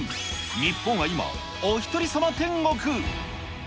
日本は今、おひとり様天国。